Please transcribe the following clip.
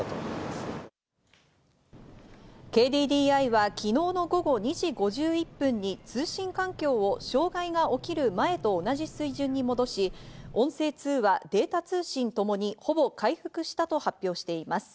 ＫＤＤＩは昨日の午後２時５１分に通信環境を障害が起きる前と同じ水準に戻し、音声通話、データ通信ともにほぼ回復したと発表しています。